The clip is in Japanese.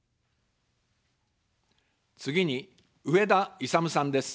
次に、上田いさむさんです。